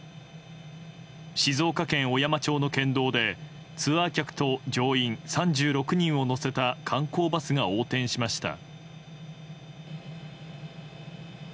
静岡県小山町の県道でツアー客と乗員３６人を乗せた観光バスが横転しました。